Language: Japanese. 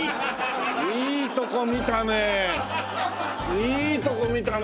いいとこ見たね！